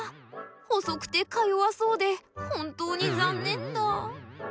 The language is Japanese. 細くてかよわそうで本当に残念だ。